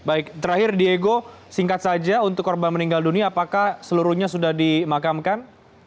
baik terakhir diego singkat saja untuk korban meninggal dunia apakah seluruhnya sudah dimakamkan